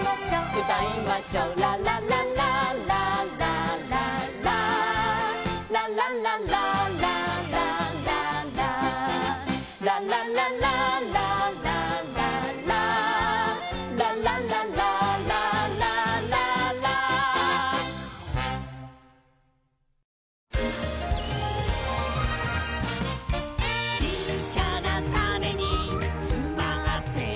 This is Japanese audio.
「うたいましょう」「ララララララララララララララララ」「ララララララララ」「ララララララララ」「ちっちゃなタネにつまってるんだ」